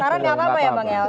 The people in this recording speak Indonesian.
sarannya apa ya bang ya